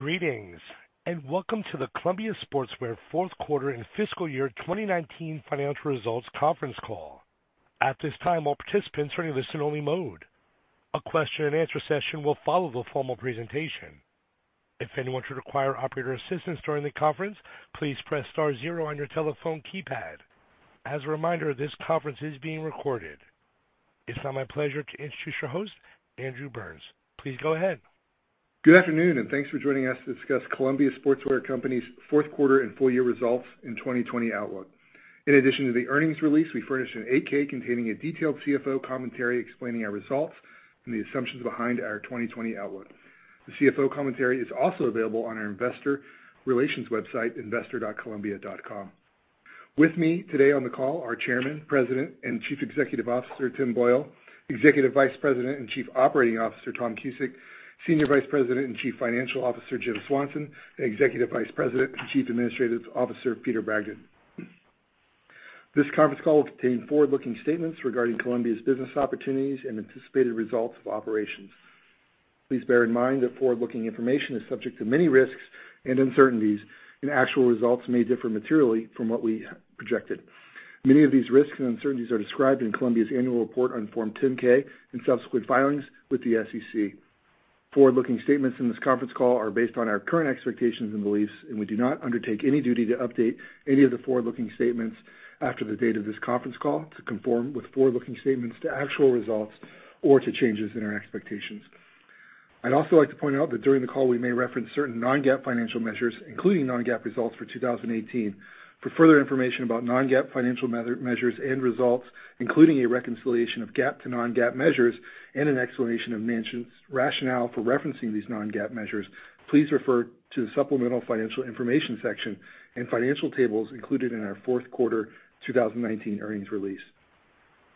Greetings, welcome to the Columbia Sportswear fourth quarter and fiscal year 2019 financial results conference call. At this time, all participants are in listen only mode. A question-and-answer session will follow the formal presentation. If anyone should require operator assistance during the conference, please press star zero on your telephone keypad. As a reminder, this conference is being recorded. It is now my pleasure to introduce your host, Andrew Burns. Please go ahead. Good afternoon, thanks for joining us to discuss Columbia Sportswear Company's fourth quarter and full-year results and 2020 outlook. In addition to the earnings release, we furnished an 8-K containing a detailed CFO commentary explaining our results and the assumptions behind our 2020 outlook. The CFO commentary is also available on our investor relations website, investor.columbia.com. With me today on the call are Chairman, President, and Chief Executive Officer, Tim Boyle, Executive Vice President and Chief Operating Officer, Tom Cusick, Senior Vice President and Chief Financial Officer, Jim Swanson, and Executive Vice President and Chief Administrative Officer, Peter Bragdon. This conference call will contain forward-looking statements regarding Columbia's business opportunities and anticipated results of operations. Please bear in mind that forward-looking information is subject to many risks and uncertainties, and actual results may differ materially from what we projected. Many of these risks and uncertainties are described in Columbia's annual report on Form 10-K and subsequent filings with the SEC. Forward-looking statements in this conference call are based on our current expectations and beliefs, and we do not undertake any duty to update any of the forward-looking statements after the date of this conference call to conform with forward-looking statements to actual results or to changes in our expectations. I'd also like to point out that during the call we may reference certain non-GAAP financial measures, including non-GAAP results for 2018. For further information about non-GAAP financial measures and results, including a reconciliation of GAAP to non-GAAP measures and an explanation of management's rationale for referencing these non-GAAP measures, please refer to the supplemental financial information section and financial tables included in our fourth quarter 2019 earnings release.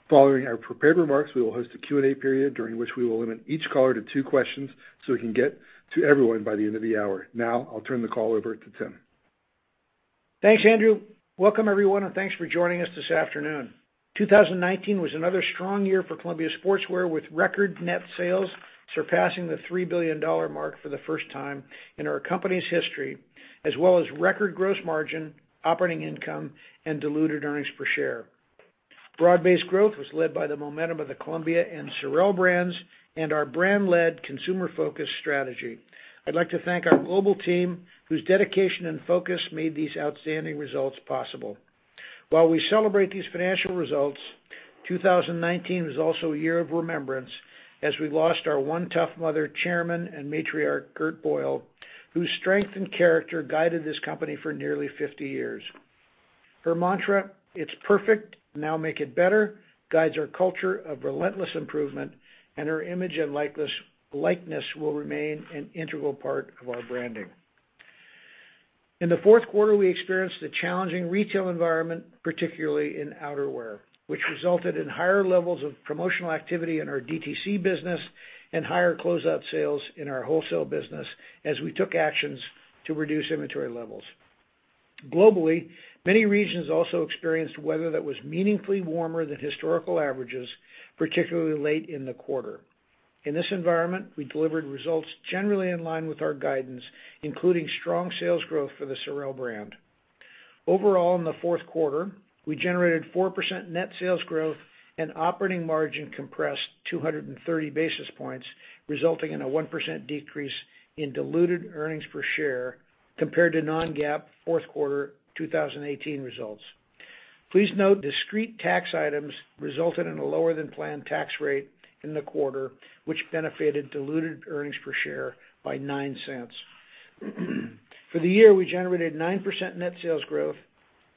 Following our prepared remarks, we will host a Q&A period during which we will limit each caller to two questions so we can get to everyone by the end of the hour. Now, I'll turn the call over to Tim. Thanks, Andrew. Welcome everyone, and thanks for joining us this afternoon. 2019 was another strong year for Columbia Sportswear, with record net sales surpassing the $3 billion mark for the first time in our company's history, as well as record gross margin, operating income, and diluted earnings per share. Broad-based growth was led by the momentum of the Columbia and SOREL brands and our brand-led consumer-focused strategy. I'd like to thank our global team, whose dedication and focus made these outstanding results possible. While we celebrate these financial results, 2019 was also a year of remembrance as we lost our one tough mother, Chairman and Matriarch, Gert Boyle, whose strength and character guided this company for nearly 50 years. Her mantra, "It's perfect, now make it better," guides our culture of relentless improvement, and her image and likeness will remain an integral part of our branding. In the fourth quarter, we experienced a challenging retail environment, particularly in outerwear, which resulted in higher levels of promotional activity in our DTC business and higher closeout sales in our wholesale business as we took actions to reduce inventory levels. Globally, many regions also experienced weather that was meaningfully warmer than historical averages, particularly late in the quarter. In this environment, we delivered results generally in line with our guidance, including strong sales growth for the SOREL brand. Overall, in the fourth quarter, we generated 4% net sales growth and operating margin compressed 230 basis points, resulting in a 1% decrease in diluted earnings per share compared to non-GAAP fourth quarter 2018 results. Please note, discrete tax items resulted in a lower than planned tax rate in the quarter, which benefited diluted earnings per share by $0.09. For the year, we generated 9% net sales growth,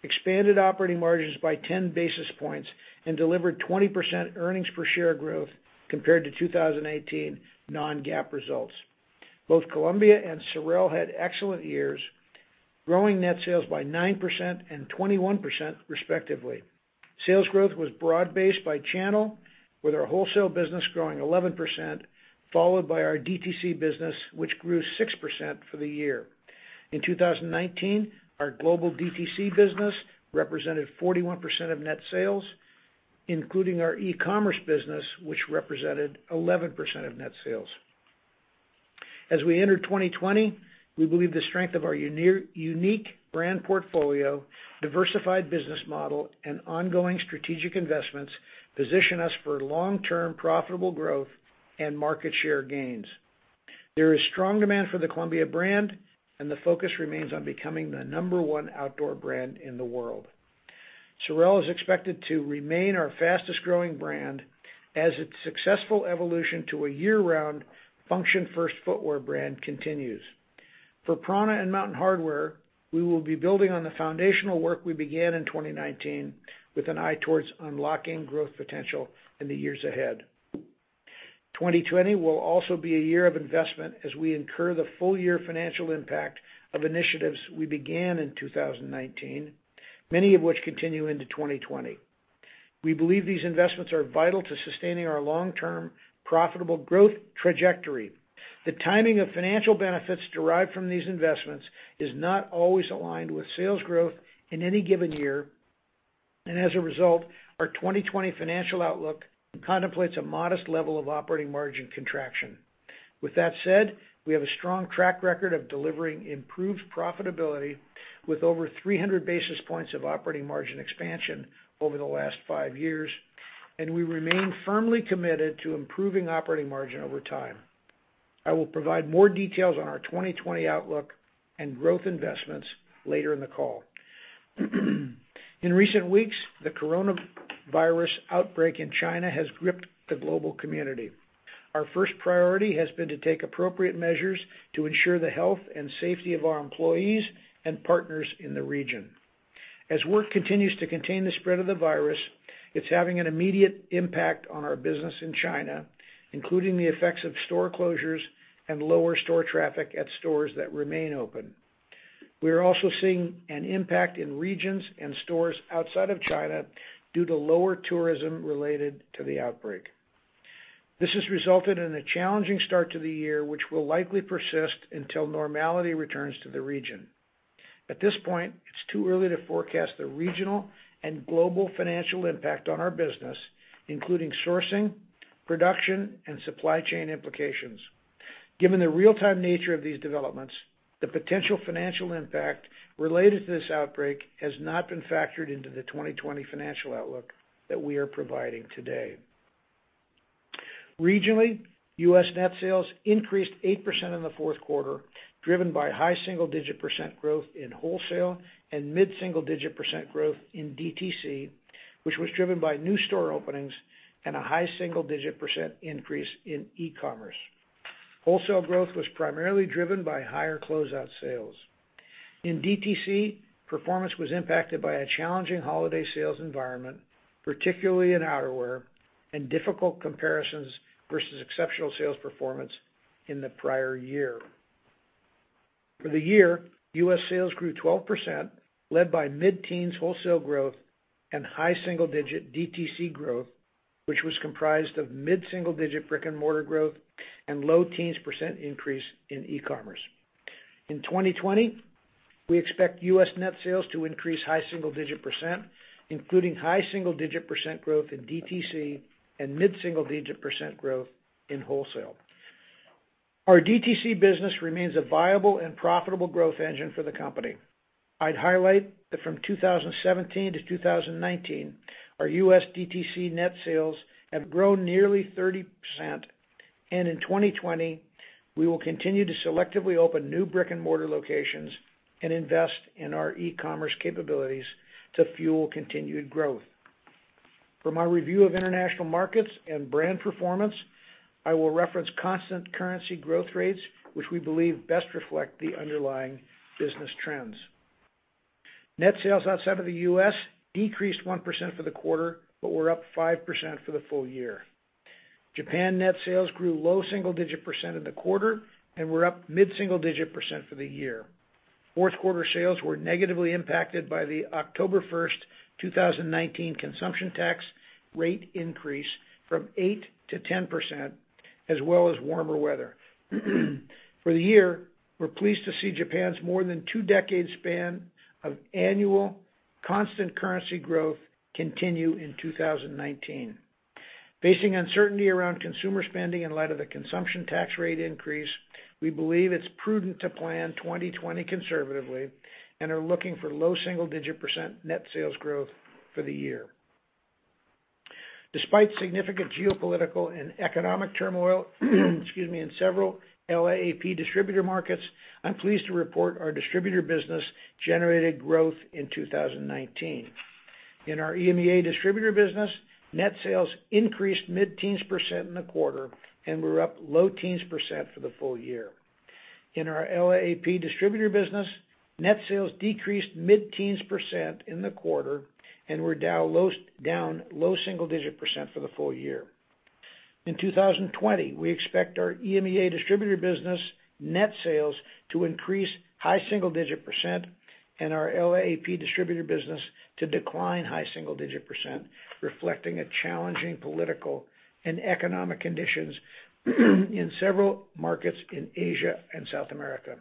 expanded operating margins by 10 basis points, and delivered 20% earnings per share growth compared to 2018 non-GAAP results. Both Columbia and SOREL had excellent years, growing net sales by 9% and 21% respectively. Sales growth was broad-based by channel, with our wholesale business growing 11%, followed by our DTC business, which grew 6% for the year. In 2019, our global DTC business represented 41% of net sales, including our e-commerce business, which represented 11% of net sales. As we enter 2020, we believe the strength of our unique brand portfolio, diversified business model, and ongoing strategic investments position us for long-term profitable growth and market share gains. There is strong demand for the Columbia brand, and the focus remains on becoming the number one outdoor brand in the world. SOREL is expected to remain our fastest-growing brand as its successful evolution to a year-round function first footwear brand continues. For prAna and Mountain Hardwear, we will be building on the foundational work we began in 2019 with an eye towards unlocking growth potential in the years ahead. 2020 will also be a year of investment as we incur the full-year financial impact of initiatives we began in 2019, many of which continue into 2020. We believe these investments are vital to sustaining our long-term profitable growth trajectory. The timing of financial benefits derived from these investments is not always aligned with sales growth in any given year. As a result, our 2020 financial outlook contemplates a modest level of operating margin contraction. With that said, we have a strong track record of delivering improved profitability with over 300 basis points of operating margin expansion over the last five years, and we remain firmly committed to improving operating margin over time. I will provide more details on our 2020 outlook and growth investments later in the call. In recent weeks, the coronavirus outbreak in China has gripped the global community. Our first priority has been to take appropriate measures to ensure the health and safety of our employees and partners in the region. As work continues to contain the spread of the virus, it's having an immediate impact on our business in China, including the effects of store closures and lower store traffic at stores that remain open. We are also seeing an impact in regions and stores outside of China due to lower tourism related to the outbreak. This has resulted in a challenging start to the year, which will likely persist until normality returns to the region. At this point, it's too early to forecast the regional and global financial impact on our business, including sourcing, production, and supply chain implications. Given the real-time nature of these developments, the potential financial impact related to this outbreak has not been factored into the 2020 financial outlook that we are providing today. Regionally, U.S. net sales increased 8% in the fourth quarter, driven by high single-digit percent growth in wholesale and mid-single digit percent growth in DTC, which was driven by new store openings and a high single-digit percent increase in e-commerce. Wholesale growth was primarily driven by higher closeout sales. In DTC, performance was impacted by a challenging holiday sales environment, particularly in outerwear and difficult comparisons versus exceptional sales performance in the prior year. For the year, U.S. sales grew 12%, led by mid-teens wholesale growth and high single-digit DTC growth, which was comprised of mid-single-digit brick and mortar growth and low teens percent increase in e-commerce. In 2020, we expect U.S. net sales to increase high single-digit percent, including high single-digit percent growth in DTC and mid-single-digit percent growth in wholesale. Our DTC business remains a viable and profitable growth engine for the company. I'd highlight that from 2017 to 2019, our U.S. DTC net sales have grown nearly 30%, and in 2020, we will continue to selectively open new brick and mortar locations and invest in our e-commerce capabilities to fuel continued growth. For my review of international markets and brand performance, I will reference constant currency growth rates, which we believe best reflect the underlying business trends. Net sales outside of the U.S. decreased 1% for the quarter, but were up 5% for the full-year. Japan net sales grew low single-digit percent in the quarter and were up mid-single-digit percent for the year. Fourth quarter sales were negatively impacted by the October 1st, 2019 consumption tax rate increase from 8%-10%, as well as warmer weather. For the year, we're pleased to see Japan's more than two-decade span of annual constant currency growth continue in 2019. Facing uncertainty around consumer spending in light of the consumption tax rate increase, we believe it's prudent to plan 2020 conservatively and are looking for low single-digit percent net sales growth for the year. Despite significant geopolitical and economic turmoil, in several LAAP distributor markets, I'm pleased to report our distributor business generated growth in 2019. In our EMEA distributor business, net sales increased mid-teens percent in the quarter and were up low teens percent for the full-year. In our LAAP distributor business, net sales decreased mid-teens percent in the quarter and were down low single-digit percent for the full-year. In 2020, we expect our EMEA distributor business net sales to increase high single-digit percent and our LAAP distributor business to decline high single-digit percent, reflecting a challenging political and economic conditions in several markets in Asia and South America.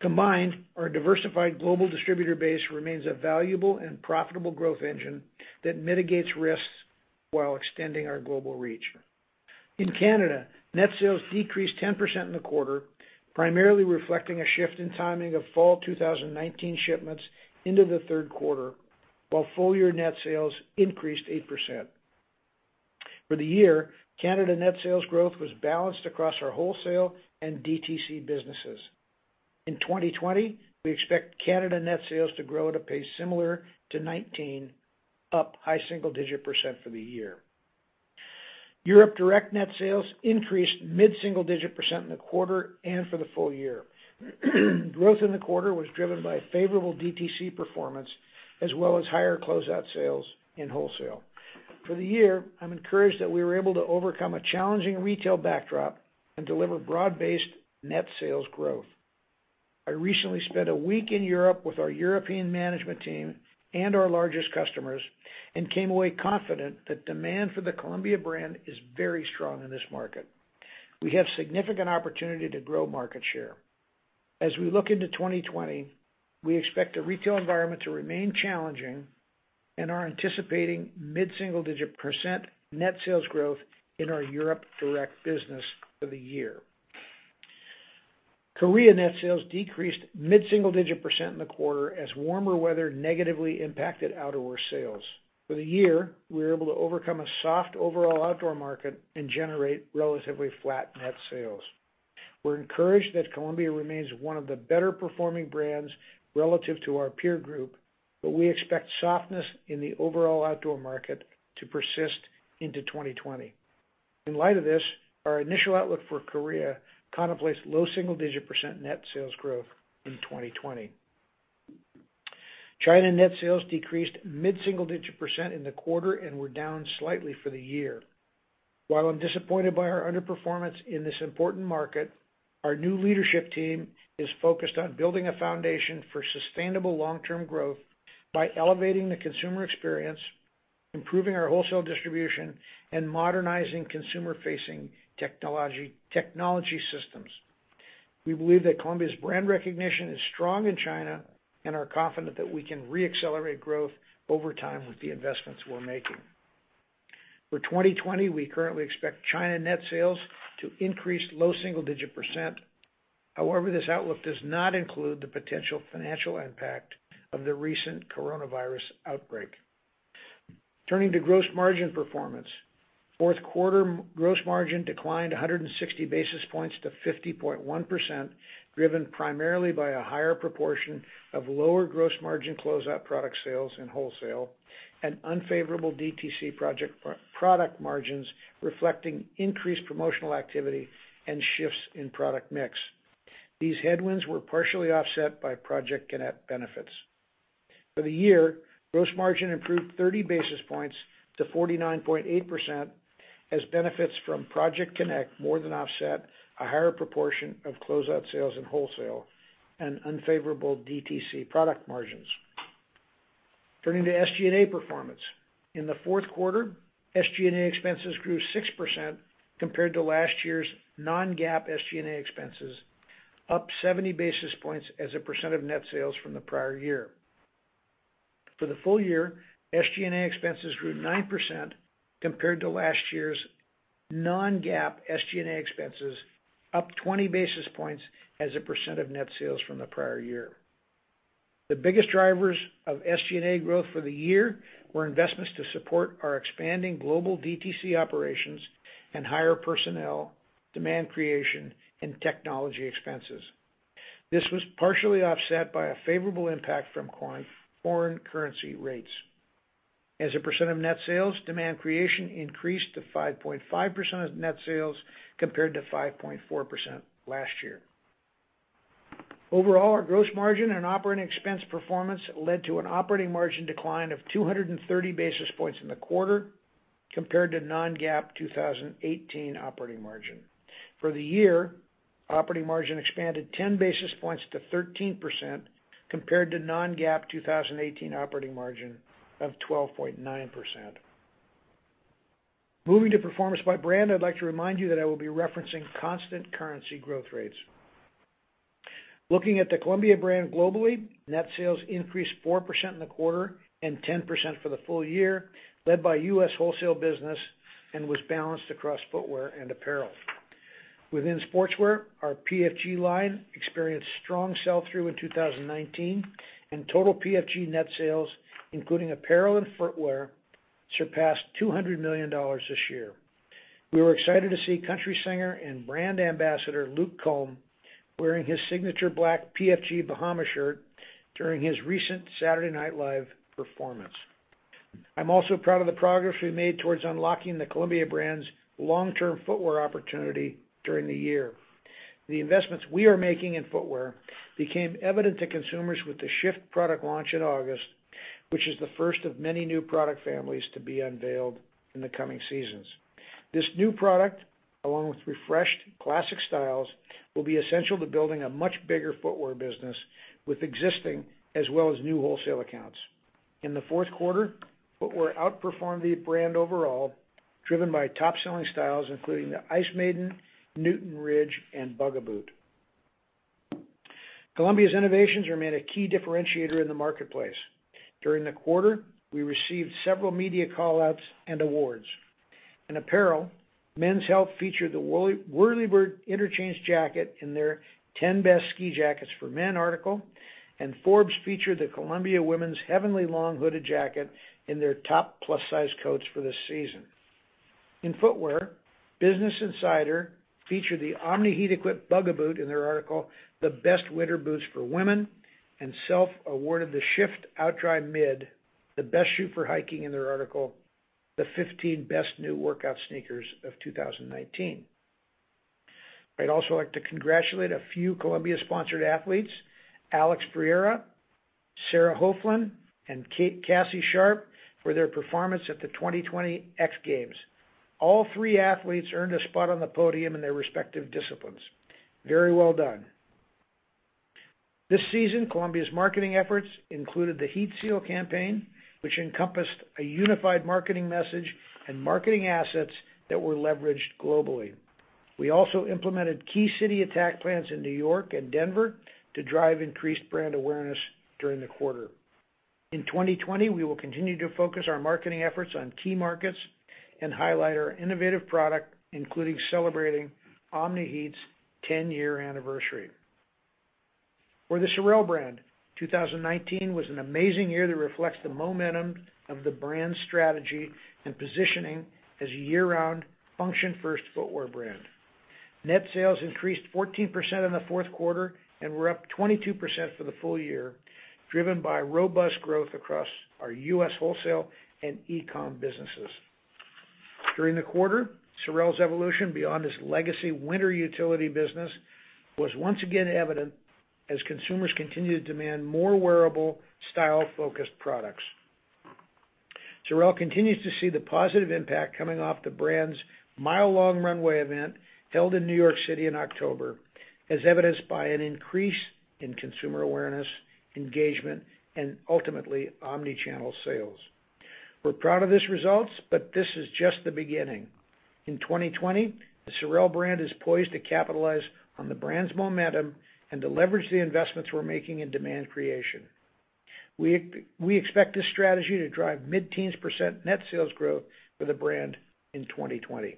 Combined, our diversified global distributor base remains a valuable and profitable growth engine that mitigates risks while extending our global reach. In Canada, net sales decreased 10% in the quarter, primarily reflecting a shift in timing of fall 2019 shipments into the third quarter, while full-year net sales increased 8%. For the year, Canada net sales growth was balanced across our wholesale and DTC businesses. In 2020, we expect Canada net sales to grow at a pace similar to 2019, up high single-digit percent for the year. Europe direct net sales increased mid-single-digit percent in the quarter and for the full-year. Growth in the quarter was driven by favorable DTC performance as well as higher closeout sales in wholesale. For the year, I'm encouraged that we were able to overcome a challenging retail backdrop and deliver broad-based net sales growth. I recently spent a week in Europe with our European management team and our largest customers and came away confident that demand for the Columbia brand is very strong in this market. We have significant opportunity to grow market share. As we look into 2020, we expect the retail environment to remain challenging and are anticipating mid-single-digit percent net sales growth in our Europe direct business for the year. Korea net sales decreased mid-single-digit percent in the quarter as warmer weather negatively impacted outerwear sales. For the year, we were able to overcome a soft overall outdoor market and generate relatively flat net sales. We're encouraged that Columbia remains one of the better-performing brands relative to our peer group. We expect softness in the overall outdoor market to persist into 2020. In light of this, our initial outlook for Korea contemplates low single-digit percent net sales growth in 2020. China net sales decreased mid-single-digit percent in the quarter and were down slightly for the year. While I'm disappointed by our underperformance in this important market, our new leadership team is focused on building a foundation for sustainable long-term growth by elevating the consumer experience, improving our wholesale distribution, and modernizing consumer-facing technology systems. We believe that Columbia's brand recognition is strong in China and are confident that we can re-accelerate growth over time with the investments we're making. For 2020, we currently expect China net sales to increase low single-digit percent. However, this outlook does not include the potential financial impact of the recent coronavirus outbreak. Turning to gross margin performance. Fourth quarter gross margin declined 160 basis points to 50.1%, driven primarily by a higher proportion of lower gross margin closeout product sales in wholesale and unfavorable DTC product margins, reflecting increased promotional activity and shifts in product mix. These headwinds were partially offset by Project CONNECT benefits. For the year, gross margin improved 30 basis points to 49.8% as benefits from Project CONNECT more than offset a higher proportion of closeout sales in wholesale and unfavorable DTC product margins. Turning to SG&A performance. In the fourth quarter, SG&A expenses grew 6% compared to last year's non-GAAP SG&A expenses, up 70 basis points as a percent of net sales from the prior year. For the full-year, SG&A expenses grew 9% compared to last year's non-GAAP SG&A expenses, up 20 basis points as a percent of net sales from the prior year. The biggest drivers of SG&A growth for the year were investments to support our expanding global DTC operations and higher personnel, demand creation, and technology expenses. This was partially offset by a favorable impact from foreign currency rates. As a percent of net sales, demand creation increased to 5.5% of net sales compared to 5.4% last year. Overall, our gross margin and operating expense performance led to an operating margin decline of 230 basis points in the quarter compared to non-GAAP 2018 operating margin. For the year, operating margin expanded 10 basis points to 13%, compared to non-GAAP 2018 operating margin of 12.9%. Moving to performance by brand, I'd like to remind you that I will be referencing constant currency growth rates. Looking at the Columbia brand globally, net sales increased 4% in the quarter and 10% for the full-year, led by U.S. wholesale business and was balanced across footwear and apparel. Within sportswear, our PFG line experienced strong sell-through in 2019, total PFG net sales, including apparel and footwear, surpassed $200 million this year. We were excited to see country singer and brand ambassador Luke Combs wearing his signature black PFG Bahama shirt during his recent Saturday Night Live performance. I'm also proud of the progress we made towards unlocking the Columbia brand's long-term footwear opportunity during the year. The investments we are making in footwear became evident to consumers with the SH/FT product launch in August, which is the first of many new product families to be unveiled in the coming seasons. This new product, along with refreshed classic styles, will be essential to building a much bigger footwear business with existing as well as new wholesale accounts. In the fourth quarter, footwear outperformed the brand overall, driven by top-selling styles including the Ice Maiden, Newton Ridge, and Bugaboot. Columbia's innovations remain a key differentiator in the marketplace. During the quarter, we received several media call-outs and awards. In apparel, Men's Health featured the Whirlibird Interchange Jacket in their 10 Best Ski Jackets for Men article, and Forbes featured the Columbia Women's Heavenly Long Hooded Jacket in their top plus-size coats for the season. In footwear, Business Insider featured the Omni-Heat-equipped Bugaboot in their article, The Best Winter Boots for Women, and SELF awarded the Shift OutDry Mid the best shoe for hiking in their article, The 15 Best New Workout Sneakers of 2019. I'd also like to congratulate a few Columbia-sponsored athletes, Alex Ferreira, Sarah Hoefflin, and Cassie Sharpe, for their performance at the 2020 X Games. All three athletes earned a spot on the podium in their respective disciplines. Very well done. This season, Columbia's marketing efforts included the Heat Seal campaign, which encompassed a unified marketing message and marketing assets that were leveraged globally. We also implemented Key City Attack plans in New York and Denver to drive increased brand awareness during the quarter. In 2020, we will continue to focus our marketing efforts on key markets and highlight our innovative product, including celebrating Omni-Heat's 10-year anniversary. For the SOREL brand, 2019 was an amazing year that reflects the momentum of the brand strategy and positioning as a year-round function-first footwear brand. Net sales increased 14% in the fourth quarter and were up 22% for the full-year, driven by robust growth across our US wholesale and e-commerce businesses. During the quarter, SOREL's evolution beyond its legacy winter utility business was once again evident as consumers continued to demand more wearable style-focused products. SOREL continues to see the positive impact coming off the brand's Mile-Long Runway event held in New York City in October, as evidenced by an increase in consumer awareness, engagement, and ultimately omni-channel sales. We're proud of these results, but this is just the beginning. In 2020, the SOREL brand is poised to capitalize on the brand's momentum and to leverage the investments we're making in demand creation. We expect this strategy to drive mid-teens percent net sales growth for the brand in 2020.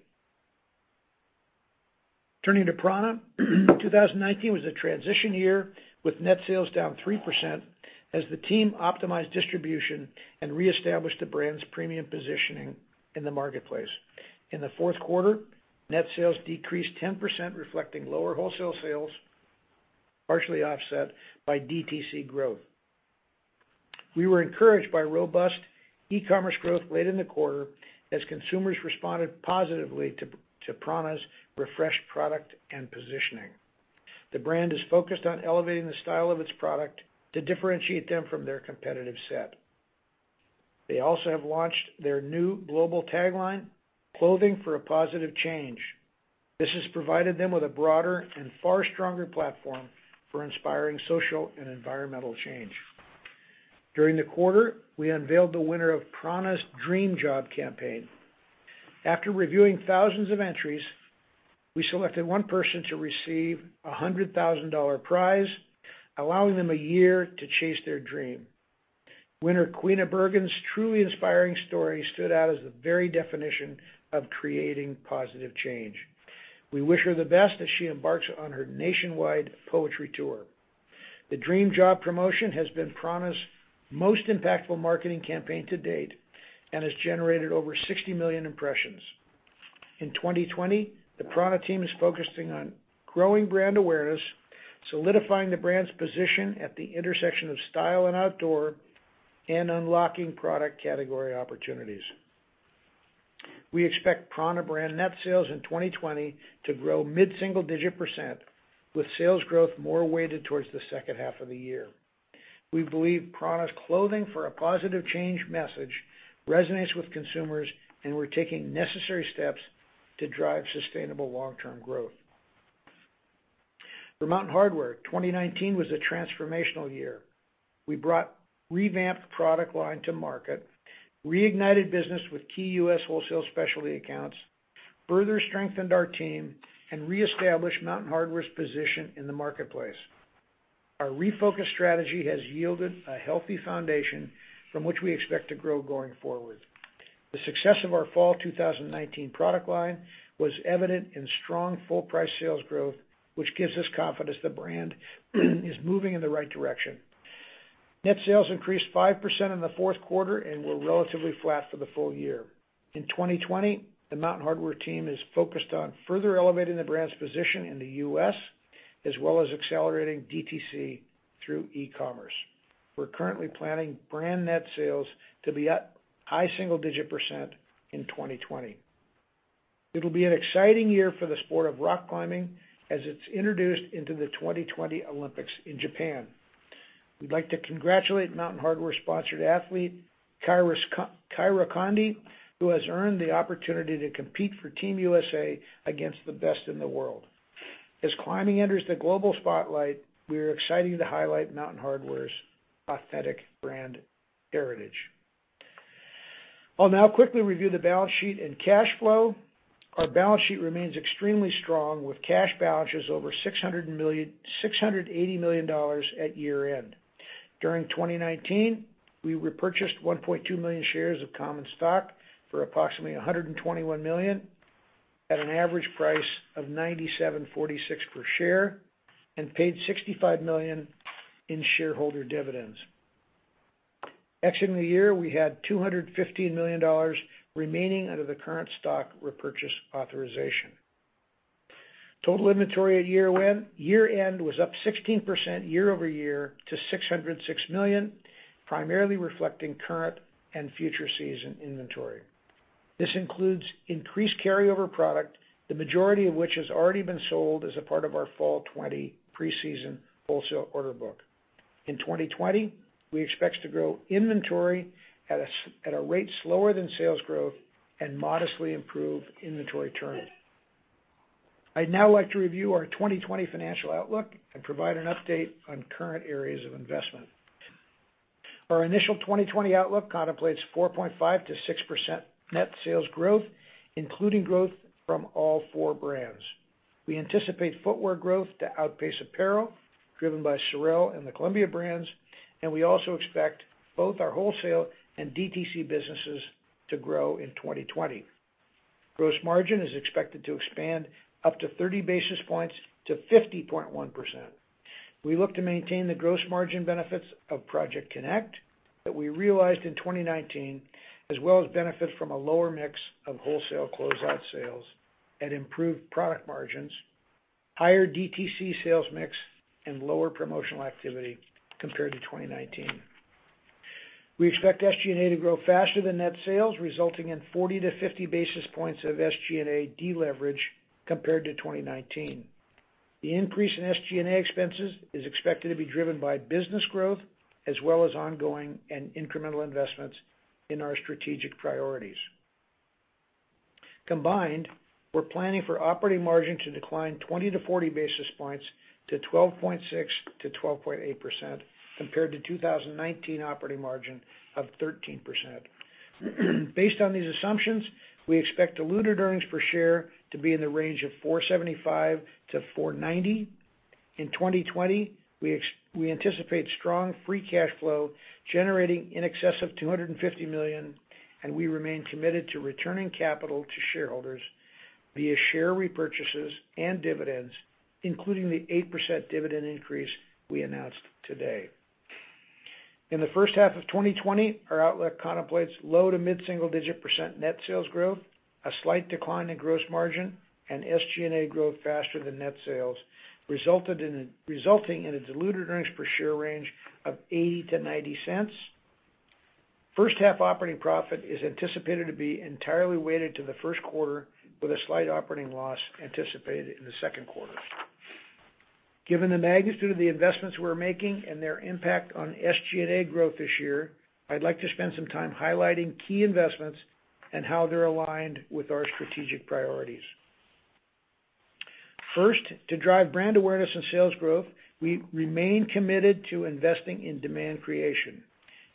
Turning to prAna. 2019 was a transition year with net sales down 3% as the team optimized distribution and reestablished the brand's premium positioning in the marketplace. In the fourth quarter, net sales decreased 10%, reflecting lower wholesale sales, partially offset by DTC growth. We were encouraged by robust e-commerce growth late in the quarter as consumers responded positively to prAna's refreshed product and positioning. The brand is focused on elevating the style of its product to differentiate them from their competitive set. They also have launched their new global tagline, Clothing for a Positive Change. This has provided them with a broader and far stronger platform for inspiring social and environmental change. During the quarter, we unveiled the winner of prAna's Dream Job campaign. After reviewing thousands of entries, we selected one person to receive a $100,000 prize, allowing them a year to chase their dream. Winner Queena Bergen's truly inspiring story stood out as the very definition of creating positive change. We wish her the best as she embarks on her nationwide poetry tour. The Dream Job promotion has been prAna's most impactful marketing campaign to date and has generated over 60 million impressions. In 2020, the prAna team is focusing on growing brand awareness, solidifying the brand's position at the intersection of style and outdoor, and unlocking product category opportunities. We expect prAna brand net sales in 2020 to grow mid-single digit percent, with sales growth more weighted towards the second half of the year. We believe prAna's "Clothing for a Positive Change" message resonates with consumers, and we're taking necessary steps to drive sustainable long-term growth. For Mountain Hardwear, 2019 was a transformational year. We brought revamped product line to market, reignited business with key U.S. wholesale specialty accounts, further strengthened our team, and reestablished Mountain Hardwear's position in the marketplace. Our refocused strategy has yielded a healthy foundation from which we expect to grow going forward. The success of our fall 2019 product line was evident in strong full price sales growth, which gives us confidence the brand is moving in the right direction. Net sales increased 5% in the fourth quarter and were relatively flat for the full-year. In 2020, the Mountain Hardwear team is focused on further elevating the brand's position in the U.S. as well as accelerating DTC through e-commerce. We're currently planning brand net sales to be up high single-digit percent in 2020. It'll be an exciting year for the sport of rock climbing as it's introduced into the 2020 Olympics in Japan. We'd like to congratulate Mountain Hardwear sponsored athlete Kyra Condie, who has earned the opportunity to compete for Team USA against the best in the world. As climbing enters the global spotlight, we are excited to highlight Mountain Hardwear's authentic brand heritage. I'll now quickly review the balance sheet and cash flow. Our balance sheet remains extremely strong with cash balances over $680 million at year-end. During 2019, we repurchased 1.2 million shares of common stock for approximately $121 million at an average price of $97.46 per share and paid $65 million in shareholder dividends. Exiting the year, we had $215 million remaining under the current stock repurchase authorization. Total inventory at year-end was up 16% year-over-year to $606 million, primarily reflecting current and future season inventory. This includes increased carryover product, the majority of which has already been sold as a part of our fall 2020 preseason wholesale order book. In 2020, we expect to grow inventory at a rate slower than sales growth and modestly improve inventory turnover. I'd now like to review our 2020 financial outlook and provide an update on current areas of investment. Our initial 2020 outlook contemplates 4.5%-6% net sales growth, including growth from all four brands. We anticipate footwear growth to outpace apparel, driven by SOREL and the Columbia brands, and we also expect both our wholesale and DTC businesses to grow in 2020. Gross margin is expected to expand up to 30 basis points to 50.1%. We look to maintain the gross margin benefits of Project CONNECT that we realized in 2019, as well as benefit from a lower mix of wholesale closeout sales and improved product margins, higher DTC sales mix, and lower promotional activity compared to 2019. We expect SG&A to grow faster than net sales, resulting in 40 basis points-50 basis points of SG&A deleverage compared to 2019. The increase in SG&A expenses is expected to be driven by business growth as well as ongoing and incremental investments in our strategic priorities. Combined, we're planning for operating margin to decline 20 basis points-40 basis points to 12.6%-12.8%, compared to 2019 operating margin of 13%. Based on these assumptions, we expect diluted earnings per share to be in the range of $4.75-$4.90. In 2020, we anticipate strong free cash flow generating in excess of $250 million. We remain committed to returning capital to shareholders via share repurchases and dividends, including the 8% dividend increase we announced today. In the first half of 2020, our outlook contemplates low to mid-single digit percent net sales growth, a slight decline in gross margin, and SG&A growth faster than net sales, resulting in a diluted earnings per share range of $0.80-$0.90. First-half operating profit is anticipated to be entirely weighted to the first quarter, with a slight operating loss anticipated in the second quarter. Given the magnitude of the investments we're making and their impact on SG&A growth this year, I'd like to spend some time highlighting key investments and how they're aligned with our strategic priorities. To drive brand awareness and sales growth, we remain committed to investing in demand creation.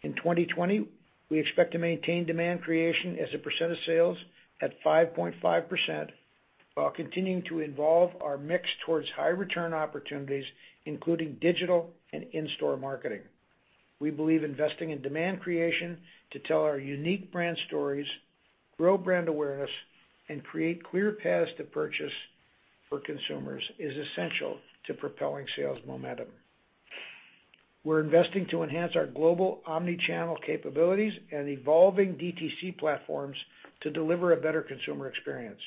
In 2020, we expect to maintain demand creation as a percent of sales at 5.5%, while continuing to evolve our mix towards high-return opportunities, including digital and in-store marketing. We believe investing in demand creation to tell our unique brand stories, grow brand awareness, and create clear paths to purchase for consumers is essential to propelling sales momentum. We're investing to enhance our global omni-channel capabilities and evolving DTC platforms to deliver a better consumer experience.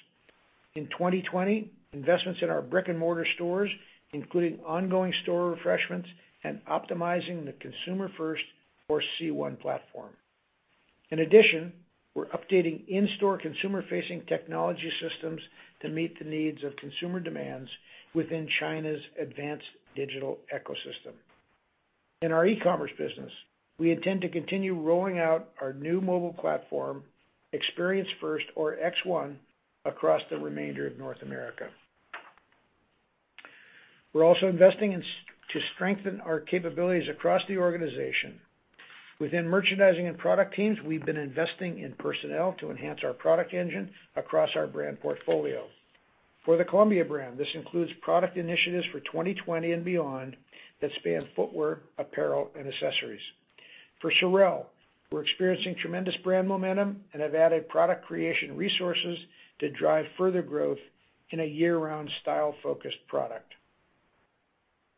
In 2020, investments in our brick-and-mortar stores, including ongoing store refreshments and optimizing the Consumer First, or C1 platform. In addition, we're updating in-store consumer-facing technology systems to meet the needs of consumer demands within China's advanced digital ecosystem. In our e-commerce business, we intend to continue rolling out our new mobile platform, Experience First, or X1, across the remainder of North America. We're also investing to strengthen our capabilities across the organization. Within merchandising and product teams, we've been investing in personnel to enhance our product engine across our brand portfolio. For the Columbia brand, this includes product initiatives for 2020 and beyond that span footwear, apparel, and accessories. For SOREL, we're experiencing tremendous brand momentum and have added product creation resources to drive further growth in a year-round style-focused product.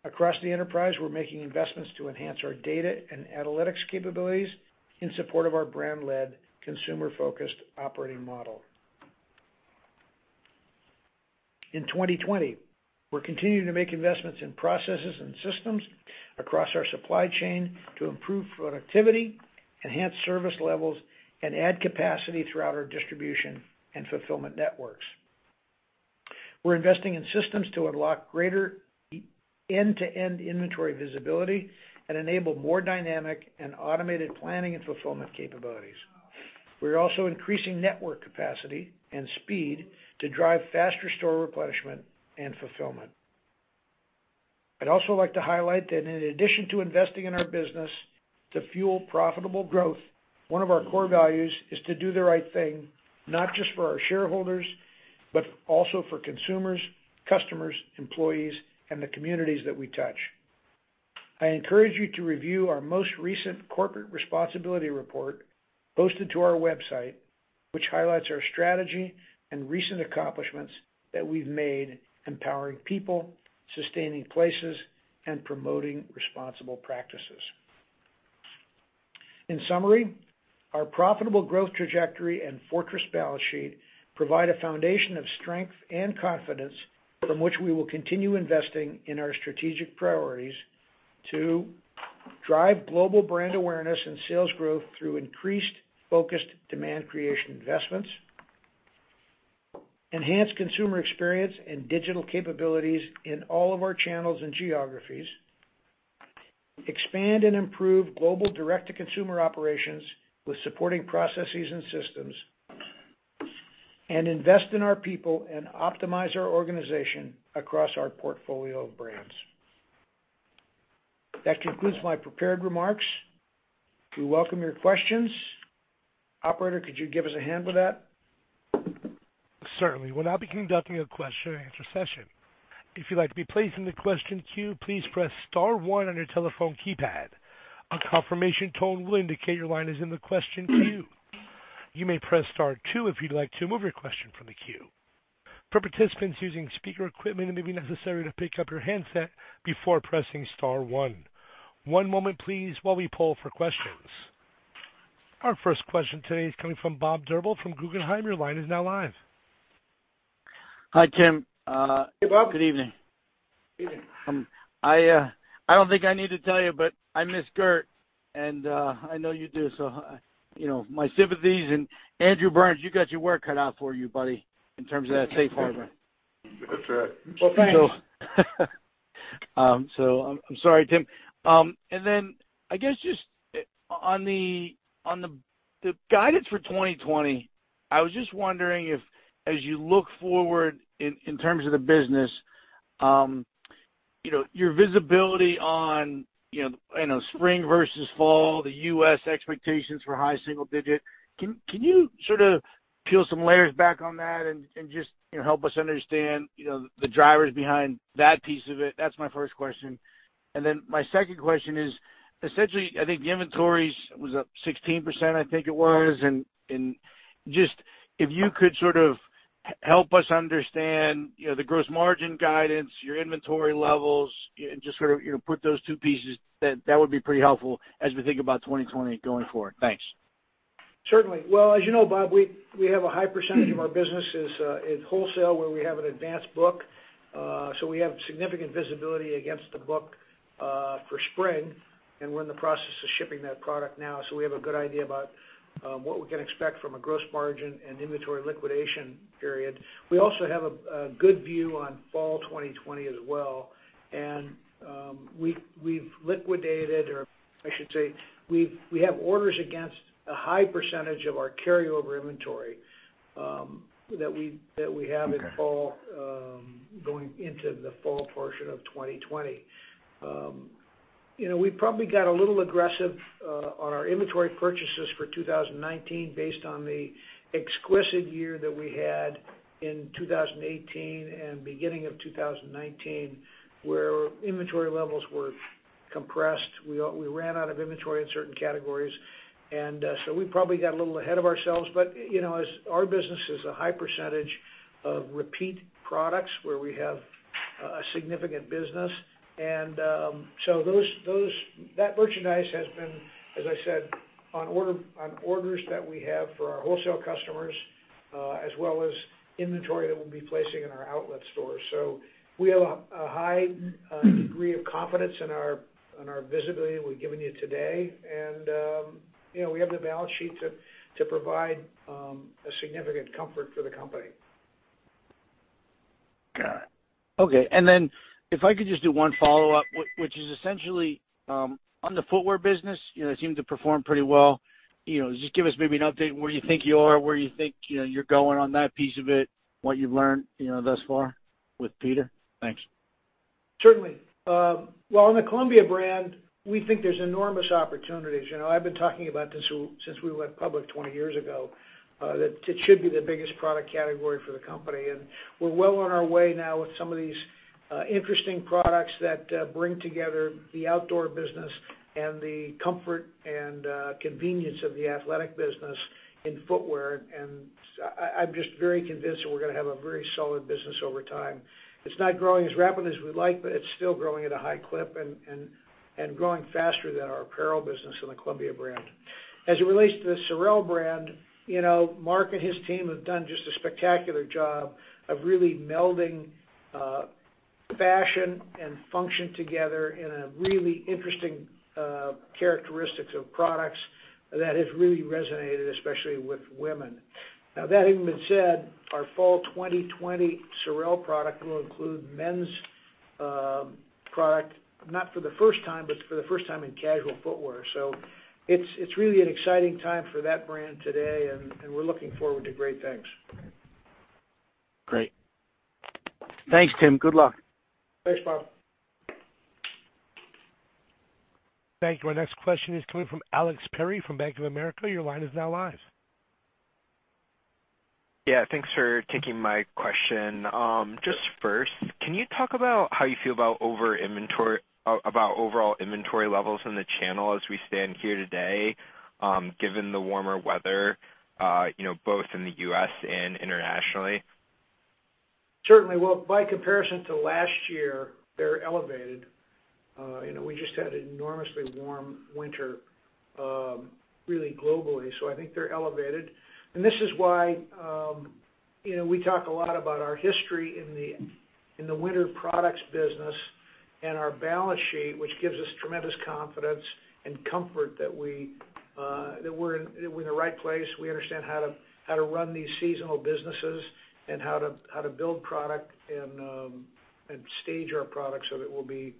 Across the enterprise, we're making investments to enhance our data and analytics capabilities in support of our brand-led, consumer-focused operating model. In 2020, we're continuing to make investments in processes and systems across our supply chain to improve productivity, enhance service levels, and add capacity throughout our distribution and fulfillment networks. We're investing in systems to unlock greater end-to-end inventory visibility and enable more dynamic and automated planning and fulfillment capabilities. We're also increasing network capacity and speed to drive faster store replenishment and fulfillment. I'd also like to highlight that in addition to investing in our business to fuel profitable growth, one of our core values is to do the right thing, not just for our shareholders, but also for consumers, customers, employees, and the communities that we touch. I encourage you to review our most recent corporate responsibility report posted to our website, which highlights our strategy and recent accomplishments that we've made empowering people, sustaining places, and promoting responsible practices. In summary, our profitable growth trajectory and fortress balance sheet provide a foundation of strength and confidence from which we will continue investing in our strategic priorities to drive global brand awareness and sales growth through increased, focused demand creation investments. Enhance consumer experience and digital capabilities in all of our channels and geographies. Expand and improve global direct-to-consumer operations with supporting processes and systems, and invest in our people and optimize our organization across our portfolio of brands. That concludes my prepared remarks. We welcome your questions. Operator, could you give us a hand with that? Certainly. We'll now be conducting a question-and-answer session. If you'd like to be placed in the question queue, please press star one on your telephone keypad. A confirmation tone will indicate your line is in the question queue. You may press star two if you'd like to move your question from the queue. For participants using speaker equipment, it may be necessary to pick up your handset before pressing star one. One moment please, while we poll for questions. Our first question today is coming from Bob Drbul from Guggenheim. Your line is now live. Hi, Tim. Hey, Bob. Good evening. Evening. I don't think I need to tell you, but I miss Gert, and I know you do, so my sympathies. Andrew Burns, you got your work cut out for you, buddy, in terms of that tape library. That's right. Thanks. I'm sorry, Tim. I guess just on the guidance for 2020, I was just wondering if, as you look forward in terms of the business, your visibility on spring versus fall, the U.S. expectations for high single-digit. Can you sort of peel some layers back on that and just help us understand the drivers behind that piece of it? That's my first question. My second question is, essentially, I think the inventories was up 16%. Just if you could sort of help us understand the gross margin guidance, your inventory levels and just sort of put those two pieces, that would be pretty helpful as we think about 2020 going forward. Thanks. Certainly. Well, as you know, Bob, we have a high percentage of our business is in wholesale, where we have an advanced book. We have significant visibility against the book for spring, and we're in the process of shipping that product now. We have a good idea about what we can expect from a gross margin and inventory liquidation period. We also have a good view on fall 2020 as well. We've liquidated, or I should say, we have orders against a high percentage of our carryover inventory that we have in fall- Okay going into the fall portion of 2020. We probably got a little aggressive on our inventory purchases for 2019 based on the exquisite year that we had in 2018 and beginning of 2019, where inventory levels were compressed. We ran out of inventory in certain categories, we probably got a little ahead of ourselves. As our business is a high percentage of repeat products where we have a significant business. That merchandise has been, as I said, on orders that we have for our wholesale customers, as well as inventory that we'll be placing in our outlet stores. We have a high degree of confidence in our visibility that we've given you today. We have the balance sheet to provide a significant comfort for the company. Got it. Okay. If I could just do one follow-up, which is essentially on the footwear business, it seemed to perform pretty well. Just give us maybe an update where you think you are, where you think you're going on that piece of it, what you've learned thus far with Peter. Thanks. Certainly. Well, on the Columbia brand, we think there's enormous opportunities. I've been talking about this since we went public 20 years ago, that it should be the biggest product category for the company. We're well on our way now with some of these interesting products that bring together the outdoor business and the comfort and convenience of the athletic business in footwear. I'm just very convinced that we're gonna have a very solid business over time. It's not growing as rapidly as we'd like, but it's still growing at a high clip, and growing faster than our apparel business in the Columbia brand. As it relates to the SOREL brand, Mark and his team have done just a spectacular job of really melding fashion and function together in a really interesting characteristics of products that has really resonated, especially with women. That having been said, our fall 2020 SOREL product will include men's product, not for the first time, but for the first time in casual footwear. It's really an exciting time for that brand today, and we're looking forward to great things. Great. Thanks, Tim. Good luck. Thanks, Bob. Thank you. Our next question is coming from Alex Perry from Bank of America. Your line is now live. Yeah, thanks for taking my question. Just first, can you talk about how you feel about overall inventory levels in the channel as we stand here today, given the warmer weather, both in the U.S. and internationally? Certainly. Well, by comparison to last year, they're elevated. We just had an enormously warm winter, really globally. I think they're elevated. This is why we talk a lot about our history in the winter products business and our balance sheet, which gives us tremendous confidence and comfort that we're in the right place. We understand how to run these seasonal businesses and how to build product and stage our products so that we'll be,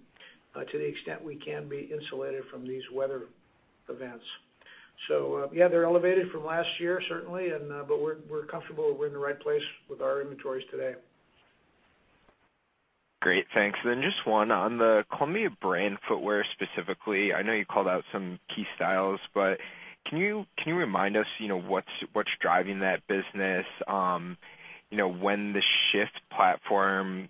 to the extent we can be, insulated from these weather events. Yeah, they're elevated from last year, certainly. We're comfortable that we're in the right place with our inventories today. Great, thanks. Just one on the Columbia brand footwear specifically. I know you called out some key styles, but can you remind us what's driving that business? When the SH/FT platform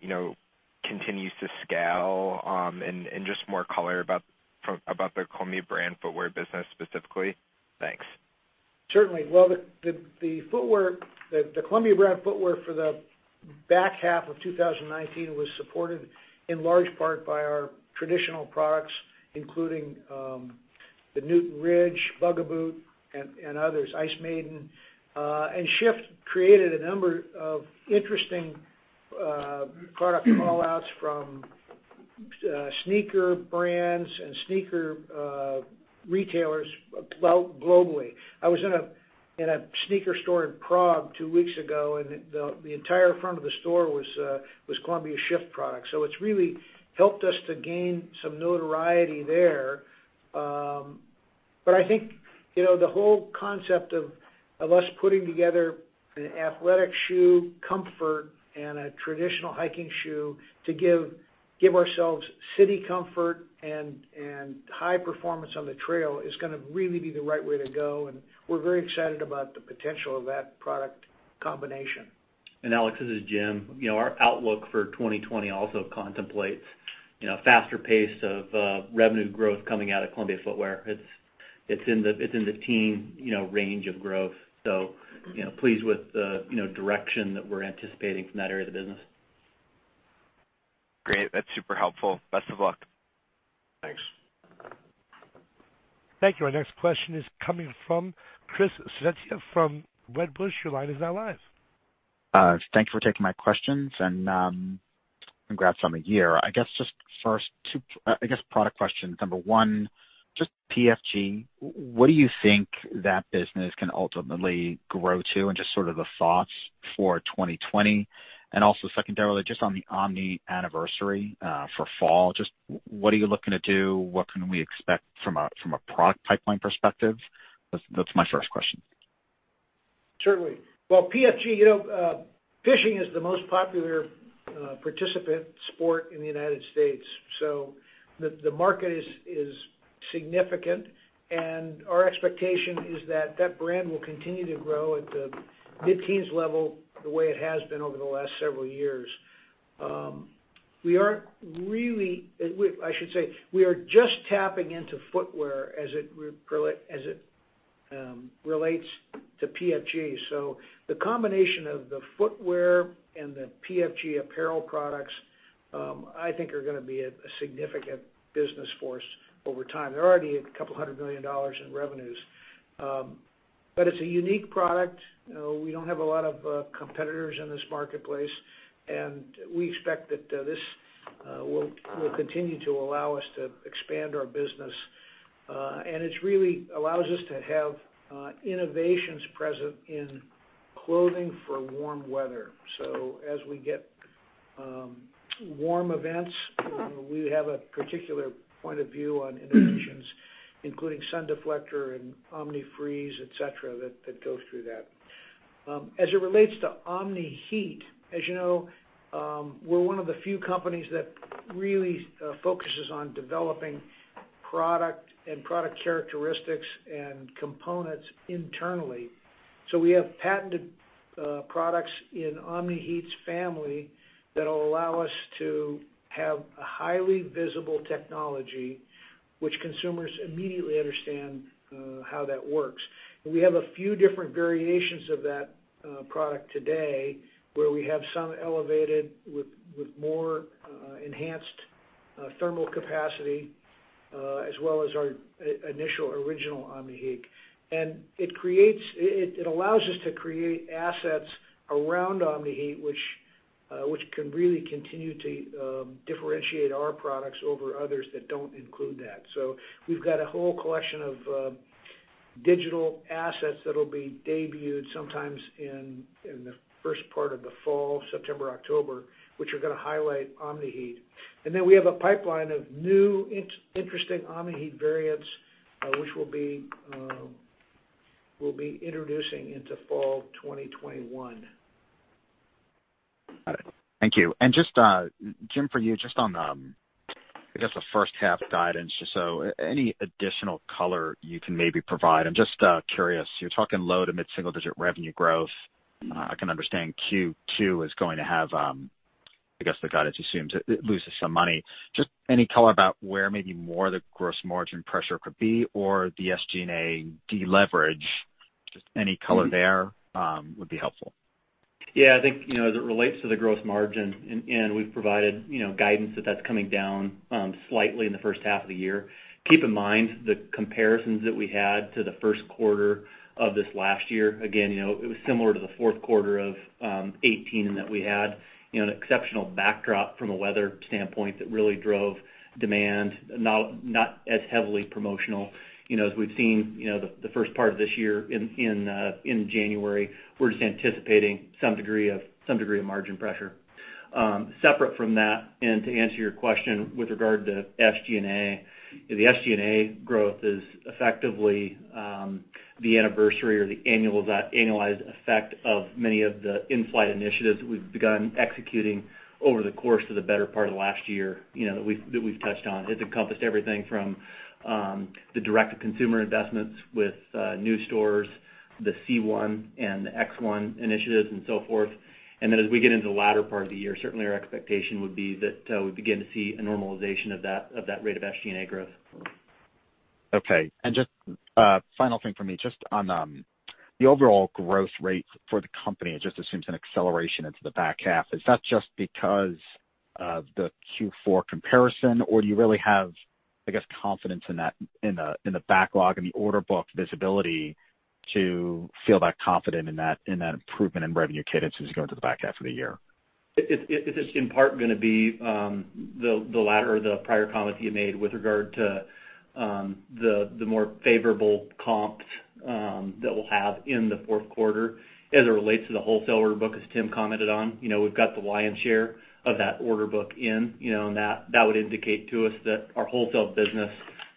continues to scale, and just more color about the Columbia brand footwear business specifically. Thanks. Certainly. The Columbia brand footwear for the back half of 2019 was supported in large part by our traditional products, including the Newton Ridge, Bugaboot, and others, Ice Maiden. SH/FT created a number of interesting product call-outs from sneaker brands and sneaker retailers globally. I was in a sneaker store in Prague two weeks ago, and the entire front of the store was Columbia SH/FT product. It's really helped us to gain some notoriety there. I think, the whole concept of us putting together an athletic shoe comfort and a traditional hiking shoe to give ourselves city comfort and high performance on the trail is going to really be the right way to go, and we're very excited about the potential of that product combination. Alex, this is Jim. Our outlook for 2020 also contemplates a faster pace of revenue growth coming out of Columbia footwear. It's in the teen range of growth. Pleased with the direction that we're anticipating from that area of the business. Great. That's super helpful. Best of luck. Thanks. Thank you. Our next question is coming from Christopher Svezia from Wedbush. Your line is now live. Thanks for taking my questions and congrats on the year. I guess just first two, I guess product questions. Number 1, just PFG. What do you think that business can ultimately grow to? Just sort of the thoughts for 2020. Also secondarily, just on the Omni anniversary, for fall, just what are you looking to do? What can we expect from a product pipeline perspective? That's my first question. Certainly. Well, PFG, fishing is the most popular participant sport in the United States, so the market is significant, and our expectation is that that brand will continue to grow at the mid-teens level the way it has been over the last several years. We are just tapping into footwear as it relates to PFG. The combination of the footwear and the PFG apparel products, I think are going to be a significant business force over time. They're already a couple hundred million dollars in revenues. It's a unique product. We don't have a lot of competitors in this marketplace, and we expect that this will continue to allow us to expand our business. It really allows us to have innovations present in clothing for warm weather. As we get warm events, we have a particular point of view on innovations, including SunDeflector and Omni-Freeze, et cetera, that goes through that. As it relates to Omni-Heat, as you know, we're one of the few companies that really focuses on developing product and product characteristics and components internally. We have patented products in Omni-Heat's family that'll allow us to have a highly visible technology, which consumers immediately understand how that works. We have a few different variations of that product today, where we have some elevated with more enhanced thermal capacity, as well as our initial original Omni-Heat. It allows us to create assets around Omni-Heat, which can really continue to differentiate our products over others that don't include that. We've got a whole collection of digital assets that'll be debuted sometimes in the first part of the fall, September, October, which are going to highlight Omni-Heat. We have a pipeline of new, interesting Omni-Heat variants, which we'll be introducing into fall 2021. Got it. Thank you. Just, Jim, for you, just on, I guess, the first half guidance, just any additional color you can maybe provide. I'm just curious, you're talking low to mid-single digit revenue growth. I can understand Q2 is going to have, I guess, the guidance assumes it loses some money. Just any color about where maybe more of the gross margin pressure could be or the SG&A deleverage. Just any color there would be helpful. Yeah, I think, as it relates to the gross margin, we've provided guidance that that's coming down slightly in the first half of the year. Keep in mind the comparisons that we had to the first quarter of this last year. Again, it was similar to the fourth quarter of 2018, in that we had an exceptional backdrop from a weather standpoint that really drove demand, not as heavily promotional. As we've seen the first part of this year in January, we're just anticipating some degree of margin pressure. Separate from that, to answer your question with regard to SG&A, the SG&A growth is effectively the anniversary or the annualized effect of many of the in-flight initiatives that we've begun executing over the course of the better part of last year, that we've touched on. It's encompassed everything from the direct-to-consumer investments with new stores, the C1 and the X1 initiatives and so forth. As we get into the latter part of the year, certainly our expectation would be that we begin to see a normalization of that rate of SG&A growth. Okay. Just a final thing for me, just on the overall growth rate for the company, it just assumes an acceleration into the back half. Is that just because of the Q4 comparison? Do you really have, I guess, confidence in the backlog and the order book visibility to feel that confident in that improvement in revenue cadence as you go into the back half of the year? It is in part going to be the latter, the prior comment you made with regard to the more favorable comps that we'll have in the fourth quarter as it relates to the wholesaler book, as Tim commented on. We've got the lion's share of that order book in. That would indicate to us that our wholesale business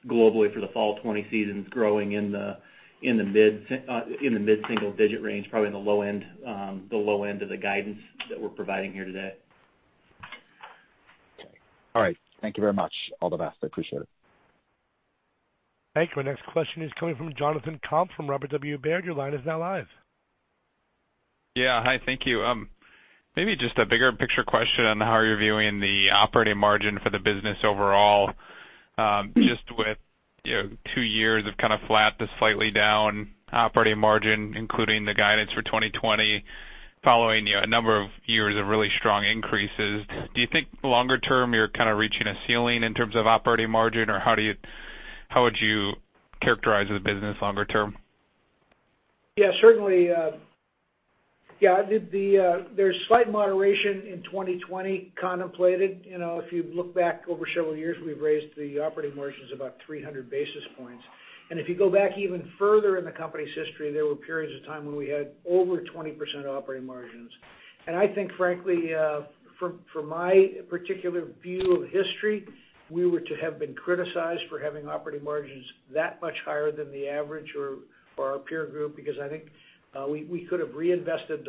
globally for the fall 2020 season is growing in the mid-single-digit range, probably in the low end of the guidance that we're providing here today. Okay. All right. Thank you very much. All the best. I appreciate it. Thank you. Our next question is coming from Jonathan Komp from Robert W. Baird. Your line is now live. Hi, thank you. Maybe just a bigger picture question on how you're viewing the operating margin for the business overall. Just with two years of kind of flat to slightly down operating margin, including the guidance for 2020 following a number of years of really strong increases. Do you think longer term, you're kind of reaching a ceiling in terms of operating margin? How would you characterize the business longer term? Yeah, certainly. There's slight moderation in 2020 contemplated. If you look back over several years, we've raised the operating margins about 300 basis points. If you go back even further in the company's history, there were periods of time when we had over 20% operating margins. I think frankly, from my particular view of history, we were to have been criticized for having operating margins that much higher than the average or our peer group, because I think we could have reinvested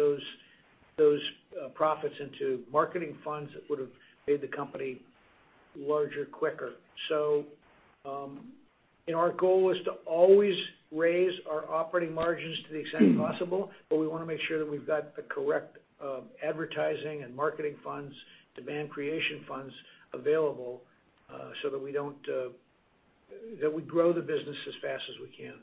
those profits into marketing funds that would've made the company larger quicker. Our goal is to always raise our operating margins to the extent possible, but we want to make sure that we've got the correct advertising and marketing funds, demand creation funds available, so that we grow the business as fast as we can.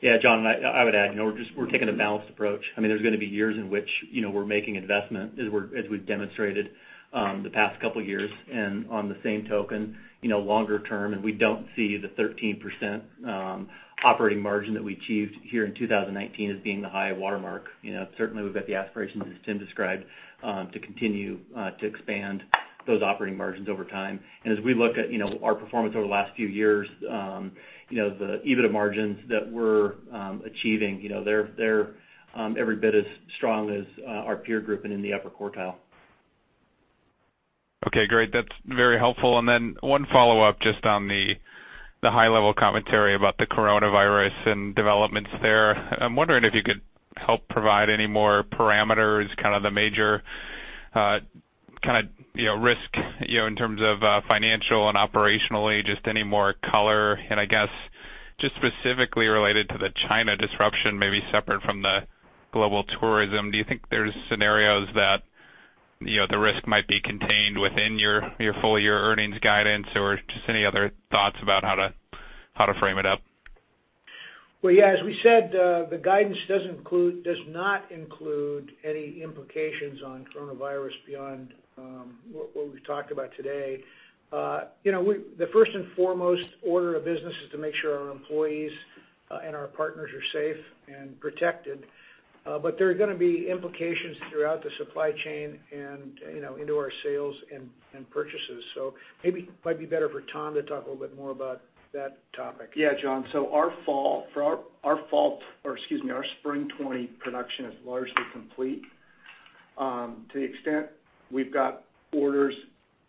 Yeah. John, I would add, we're taking a balanced approach. There's going to be years in which we're making investment, as we've demonstrated the past couple of years. On the same token, longer term, we don't see the 13% operating margin that we achieved here in 2019 as being the high watermark. Certainly, we've got the aspirations, as Tim described, to continue to expand those operating margins over time. As we look at our performance over the last few years, the EBITDA margins that we're achieving, they're every bit as strong as our peer group and in the upper quartile. Okay, great. That's very helpful. One follow-up just on the high-level commentary about the coronavirus and developments there. I'm wondering if you could help provide any more parameters, kind of the major risk in terms of financial and operationally, just any more color. I guess, just specifically related to the China disruption, maybe separate from the global tourism. Do you think there's scenarios that the risk might be contained within your full-year earnings guidance? Just any other thoughts about how to frame it up? Well, yeah, as we said, the guidance does not include any implications on coronavirus beyond what we've talked about today. The first and foremost order of business is to make sure our employees and our partners are safe and protected. There are going to be implications throughout the supply chain and into our sales and purchases. Maybe might be better for Tom to talk a little bit more about that topic. Yeah, John. Our spring 2020 production is largely complete. To the extent we've got orders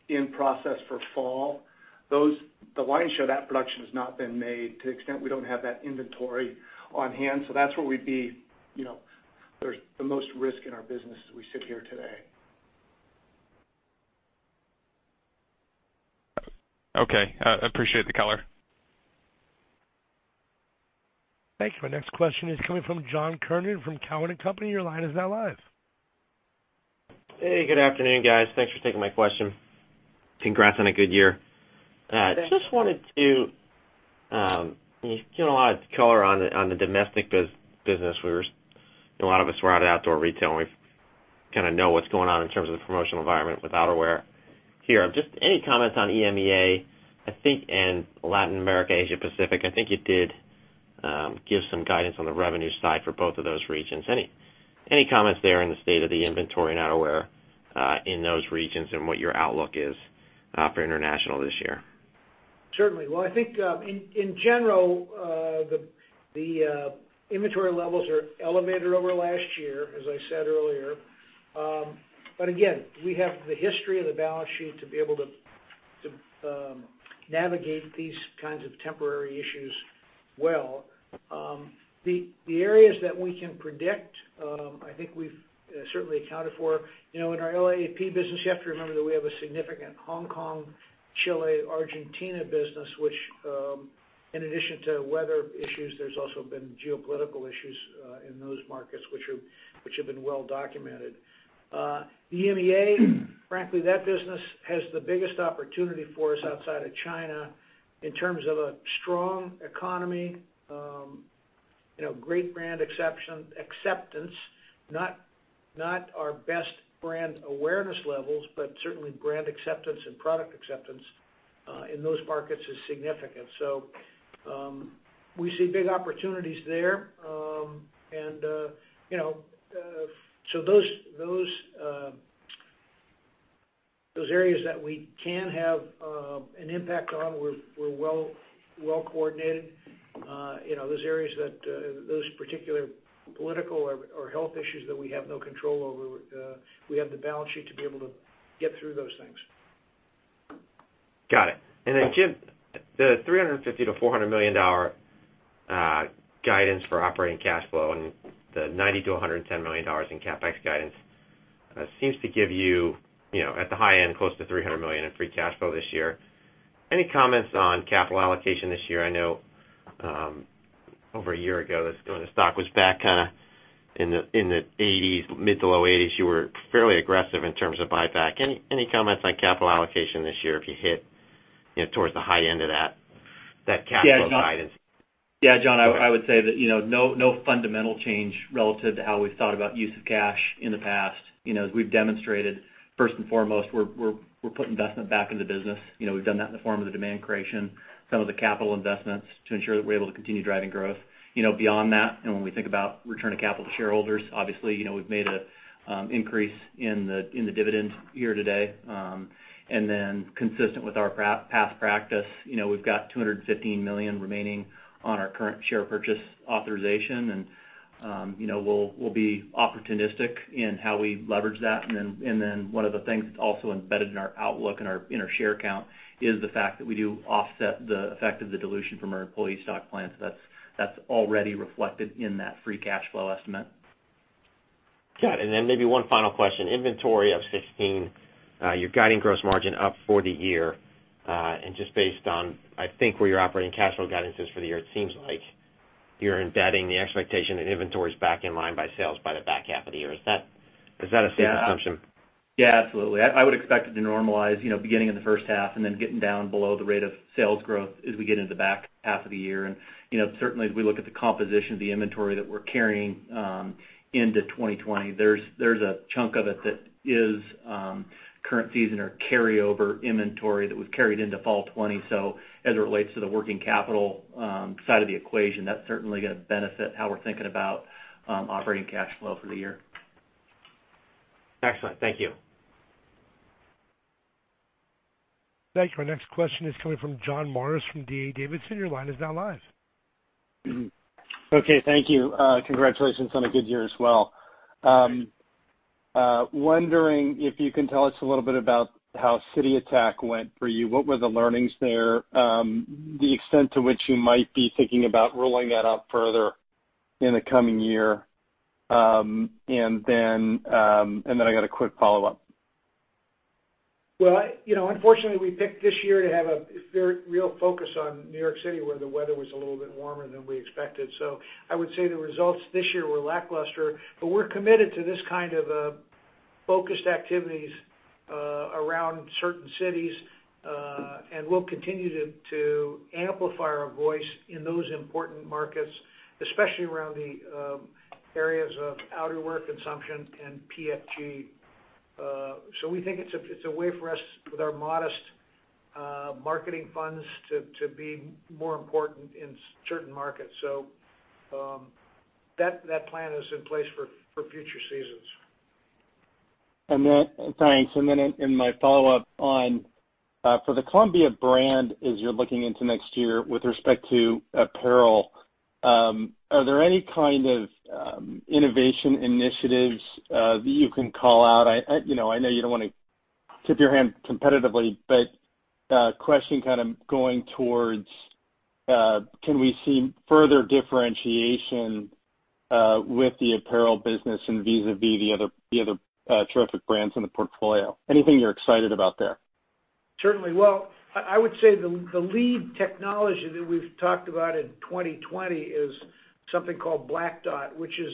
in process for fall, the line show, that production has not been made to the extent we don't have that inventory on hand. That's where there's the most risk in our business as we sit here today. Okay. I appreciate the color. Thank you. Our next question is coming from John Kernan from Cowen and Company. Your line is now live. Hey, good afternoon, guys. Thanks for taking my question. Congrats on a good year. Thanks. You gave a lot of color on the domestic business. A lot of us were out at outdoor retail, and we kind of know what's going on in terms of the promotional environment with outerwear here. Any comments on EMEA, I think, and Latin America, Asia Pacific? I think you did give some guidance on the revenue side for both of those regions. Any comments there on the state of the inventory and outerwear in those regions and what your outlook is for international this year? Certainly. Well, I think in general, the inventory levels are elevated over last year, as I said earlier. Again, we have the history of the balance sheet to be able to navigate these kinds of temporary issues well. The areas that we can predict, I think we've certainly accounted for. In our LAAP business, you have to remember that we have a significant Hong Kong, Chile, Argentina business, which in addition to weather issues, there's also been geopolitical issues in those markets which have been well documented. EMEA, frankly, that business has the biggest opportunity for us outside of China in terms of a strong economy, great brand acceptance, not our best brand awareness levels, but certainly brand acceptance and product acceptance in those markets is significant. We see big opportunities there. Those areas that we can have an impact on, we're well coordinated. Those areas that those particular political or health issues that we have no control over, we have the balance sheet to be able to get through those things. Got it. Then, Jim, the $350 million-$400 million guidance for operating cash flow and the $90 million-$110 million in CapEx guidance seems to give you, at the high end, close to $300 million in free cash flow this year. Any comments on capital allocation this year? I know over a year ago, when the stock was back in the mid-to-low 80s, you were fairly aggressive in terms of buyback. Any comments on capital allocation this year if you hit towards the high end of that capital guidance? Yeah, John, I would say that no fundamental change relative to how we've thought about use of cash in the past. As we've demonstrated, first and foremost, we're putting investment back into business. We've done that in the form of the demand creation, some of the capital investments to ensure that we're able to continue driving growth. Beyond that, when we think about return of capital to shareholders, obviously, we've made an increase in the dividend year to date. Consistent with our past practice, we've got $215 million remaining on our current share purchase authorization, and we'll be opportunistic in how we leverage that. One of the things that's also embedded in our outlook in our share count is the fact that we do offset the effect of the dilution from our employee stock plan. That's already reflected in that free cash flow estimate. Got it. Then maybe one final question. Inventory of 2015, you're guiding gross margin up for the year. Just based on, I think, where your operating cash flow guidance is for the year, it seems like you're embedding the expectation that inventory's back in line by sales by the back half of the year. Is that a safe assumption? Yeah, absolutely. I would expect it to normalize, beginning in the first half and then getting down below the rate of sales growth as we get into the back half of the year. Certainly, as we look at the composition of the inventory that we're carrying into 2020, there's a chunk of it that is current season or carryover inventory that was carried into fall 2020. As it relates to the working capital side of the equation, that's certainly going to benefit how we're thinking about operating cash flow for the year. Excellent. Thank you. Thank you. Our next question is coming from John Morris from D.A. Davidson. Your line is now live. Okay. Thank you. Congratulations on a good year as well. Thanks. Wondering if you can tell us a little bit about how Key City Attack went for you. What were the learnings there, the extent to which you might be thinking about rolling that out further in the coming year, and then I got a quick follow-up. Unfortunately, we picked this year to have a very real focus on New York City, where the weather was a little bit warmer than we expected. I would say the results this year were lackluster, but we're committed to this kind of focused activities around certain cities. We'll continue to amplify our voice in those important markets, especially around the areas of outerwear consumption and PFG. We think it's a way for us, with our modest marketing funds, to be more important in certain markets. That plan is in place for future seasons. Thanks. In my follow-up on, for the Columbia brand, as you're looking into next year with respect to apparel, are there any kind of innovation initiatives that you can call out? I know you don't want to tip your hand competitively, a question kind of going towards can we see further differentiation with the apparel business and vis-a-vis the other terrific brands in the portfolio? Anything you're excited about there? Certainly. Well, I would say the lead technology that we've talked about in 2020 is something called Black Dot, which is,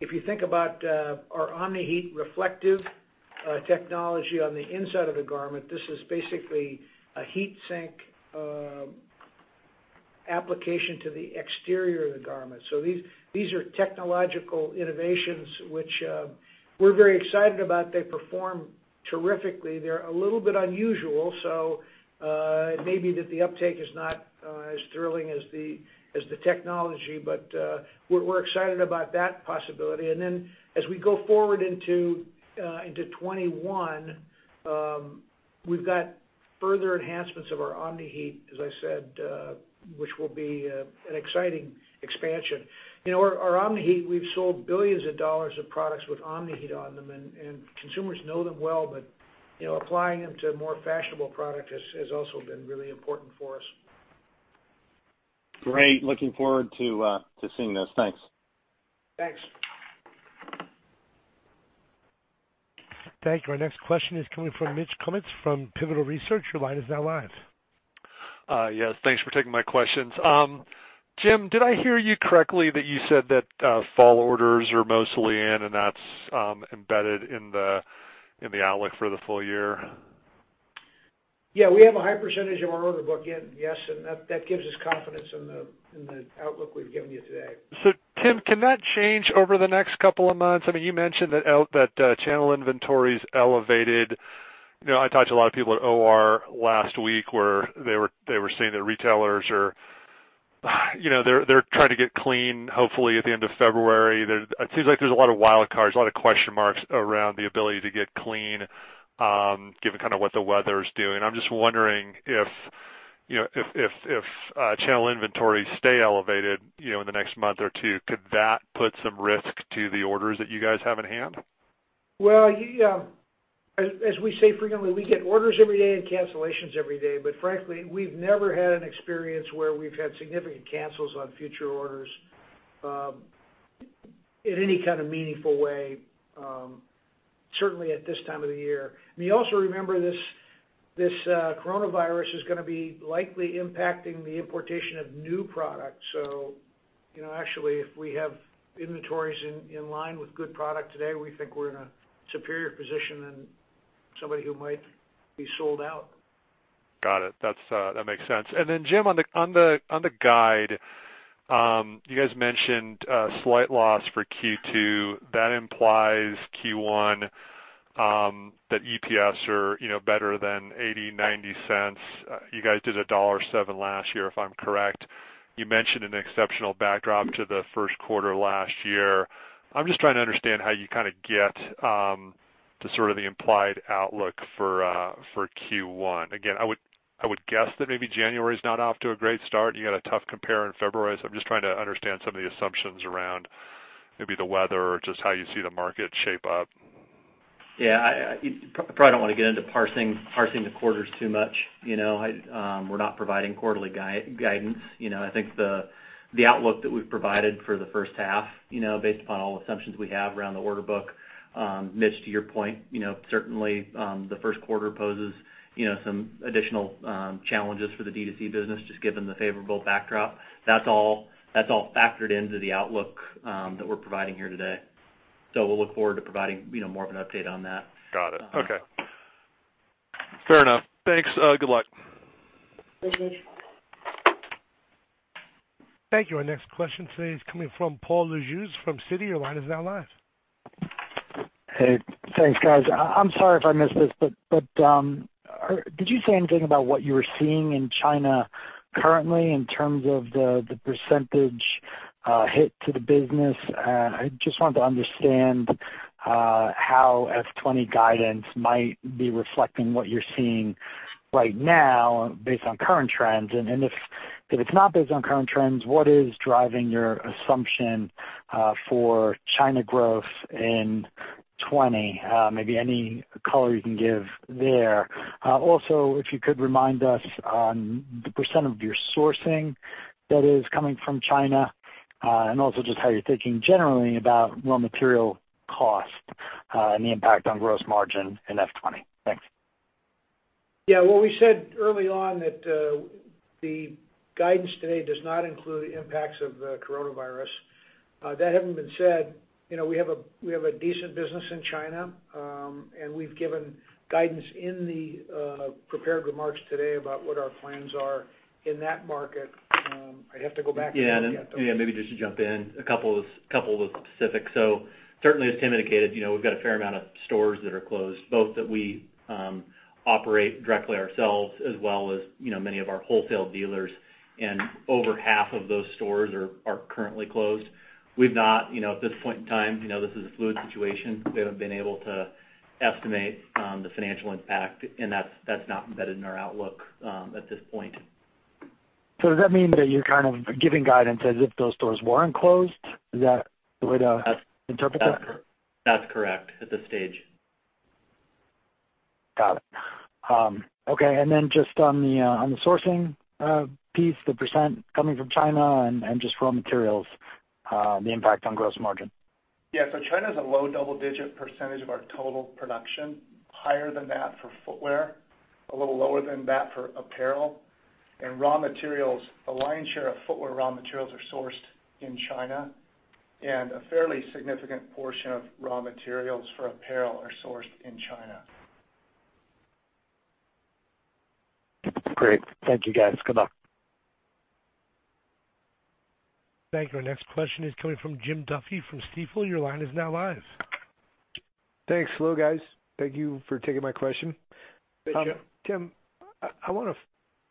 if you think about our Omni-Heat reflective technology on the inside of a garment, this is basically a heat sink application to the exterior of the garment. These are technological innovations which we're very excited about. They perform terrifically. They're a little bit unusual, so it may be that the uptake is not as thrilling as the technology, but we're excited about that possibility. As we go forward into 2021, we've got further enhancements of our Omni-Heat, as I said, which will be an exciting expansion. Our Omni-Heat, we've sold billions of dollars of products with Omni-Heat on them, and consumers know them well, but applying them to more fashionable product has also been really important for us. Great. Looking forward to seeing those. Thanks. Thanks. Thank you. Our next question is coming from Mitch Kummetz from Pivotal Research. Your line is now live. Yes. Thanks for taking my questions. Jim, did I hear you correctly that you said that fall orders are mostly in, and that's embedded in the outlook for the full-year? Yeah. We have a high percentage of our order book in. Yes, that gives us confidence in the outlook we've given you today. Tim, can that change over the next couple of months? You mentioned that channel inventory's elevated. I talked to a lot of people at OR last week, where they were saying that retailers are trying to get clean, hopefully at the end of February. It seems like there's a lot of wild cards, a lot of question marks around the ability to get clean, given what the weather's doing. I'm just wondering if channel inventories stay elevated in the next month or two, could that put some risk to the orders that you guys have in hand? Well, as we say frequently, we get orders every day and cancellations every day. Frankly, we've never had an experience where we've had significant cancels on future orders in any kind of meaningful way, certainly at this time of the year. You also remember this coronavirus is going to be likely impacting the importation of new product. Actually, if we have inventories in line with good product today, we think we're in a superior position than somebody who might be sold out. Got it. That makes sense. Jim, on the guide, you guys mentioned a slight loss for Q2. That implies Q1, that EPS are better than $0.80, $0.90. You guys did $1.07 last year, if I'm correct. You mentioned an exceptional backdrop to the first quarter last year. I'm just trying to understand how you get to sort of the implied outlook for Q1. Again, I would guess that maybe January's not off to a great start, and you've got a tough compare in February. I'm just trying to understand some of the assumptions around maybe the weather or just how you see the market shape up. Yeah. I probably don't want to get into parsing the quarters too much. We're not providing quarterly guidance. I think the outlook that we've provided for the first half, based upon all the assumptions we have around the order book, Mitch, to your point, certainly the first quarter poses some additional challenges for the D2C business, just given the favorable backdrop. That's all factored into the outlook that we're providing here today. We'll look forward to providing more of an update on that. Got it. Okay. Fair enough. Thanks. Good luck. Appreciate it. Thank you. Our next question today is coming from Paul Lejuez from Citigroup. Your line is now live. Hey, thanks guys. I'm sorry if I missed this, did you say anything about what you were seeing in China currently in terms of the percentage hit to the business? I just wanted to understand how FY 2020 guidance might be reflecting what you're seeing right now based on current trends. If it's not based on current trends, what is driving your assumption for China growth in 2020? Maybe any color you can give there. Also, if you could remind us on the percentage of your sourcing that is coming from China, and also just how you're thinking generally about raw material cost and the impact on gross margin in FY 2020. Thanks. Well, we said early on that the guidance today does not include the impacts of the coronavirus. That having been said, we have a decent business in China. We've given guidance in the prepared remarks today about what our plans are in that market. I'd have to go back at that, though. Yeah, maybe just to jump in, a couple of specifics. Certainly, as Tim indicated, we've got a fair amount of stores that are closed, both that we operate directly ourselves as well as many of our wholesale dealers, and over half of those stores are currently closed. We've not, at this point in time, this is a fluid situation. We haven't been able to estimate the financial impact, and that's not embedded in our outlook at this point. Does that mean that you're kind of giving guidance as if those stores weren't closed? Is that the way to interpret that? That's correct, at this stage. Got it. Okay, just on the sourcing piece, the percentage coming from China and just raw materials, the impact on gross margin. Yeah. China's a low double-digit percent of our total production. Higher than that for footwear, a little lower than that for apparel. In raw materials, the lion's share of footwear raw materials are sourced in China, and a fairly significant portion of raw materials for apparel are sourced in China. Great. Thank you, guys. Good luck. Thank you. Our next question is coming from Jim Duffy from Stifel. Your line is now live. Thanks. Hello, guys. Thank you for taking my question. Hey, Jim. Tim,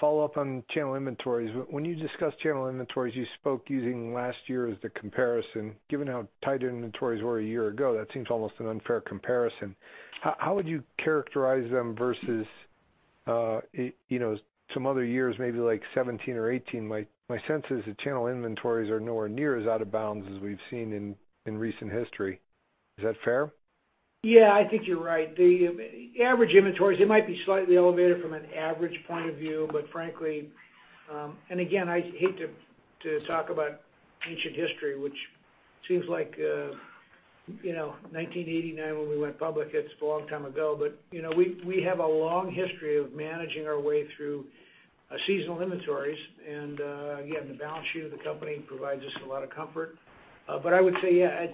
Follow up on channel inventories. When you discussed channel inventories, you spoke using last year as the comparison. Given how tight inventories were a year ago, that seems almost an unfair comparison. How would you characterize them versus some other years, maybe like 2017 or 2018? My sense is that channel inventories are nowhere near as out of bounds as we've seen in recent history. Is that fair? Yeah, I think you're right. The average inventories, they might be slightly elevated from an average point of view, but frankly, again, I hate to talk about ancient history, which seems like 1989, when we went public, it's a long time ago, but we have a long history of managing our way through seasonal inventories. Again, the balance sheet of the company provides us a lot of comfort. I would say, yeah,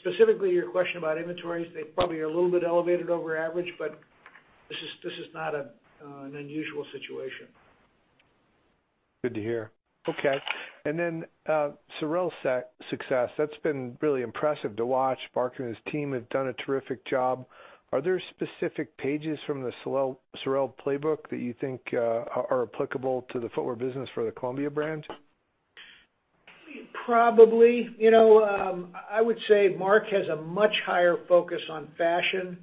specifically your question about inventories, they probably are a little bit elevated over average, but this is not an unusual situation. Good to hear. Okay. SOREL success, that's been really impressive to watch. Barker and his team have done a terrific job. Are there specific pages from the SOREL playbook that you think are applicable to the footwear business for the Columbia brand? Probably. I would say Mark has a much higher focus on fashion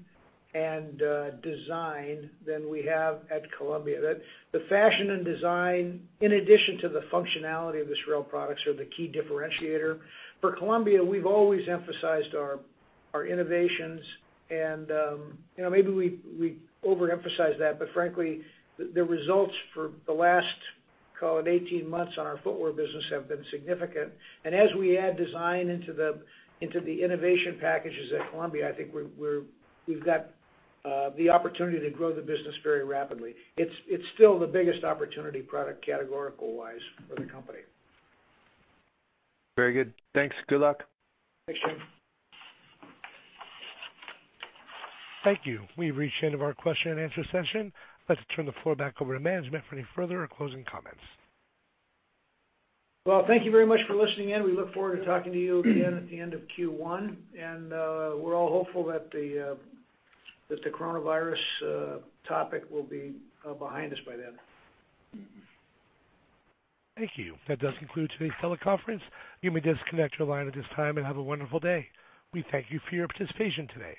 and design than we have at Columbia. The fashion and design, in addition to the functionality of the SOREL products, are the key differentiator. For Columbia, we've always emphasized our innovations, and maybe we overemphasize that, but frankly, the results for the last, call it 18 months, on our footwear business have been significant. As we add design into the innovation packages at Columbia, I think we've got the opportunity to grow the business very rapidly. It's still the biggest opportunity product categorical-wise for the company. Very good. Thanks. Good luck. Thanks, Shane. Thank you. We've reached the end of our question and answer session. Let's turn the floor back over to management for any further or closing comments. Well, thank you very much for listening in. We look forward to talking to you again at the end of Q1. We're all hopeful that the coronavirus topic will be behind us by then. Thank you. That does conclude today's teleconference. You may disconnect your line at this time, and have a wonderful day. We thank you for your participation today.